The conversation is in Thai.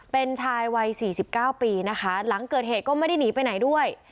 เป็นชายวัย๔๙ปีนะคะหลังเกิดเหตุก็ไม่ได้หนีไปไหนด้วย